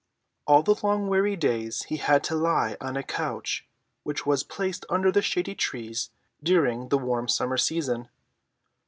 All the long weary days he had to lie on a couch which was placed under the shady trees during the warm summer season.